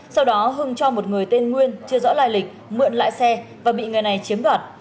sau đó hưng cho một người tên nguyên chưa rõ lại lịch mượn lại xe và bị người này chiếm đoạt